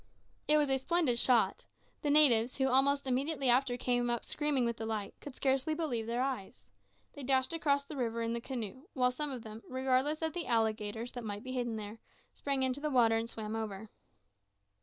It was a splendid shot. The natives, who almost immediately after came up screaming with delight, could scarcely believe their eyes. They dashed across the river in the canoe, while some of them, regardless of the alligators that might be hidden there, sprang into the water and swam over.